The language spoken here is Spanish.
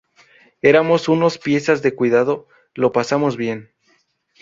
Éramos unos piezas de cuidado. Lo pasamos bien.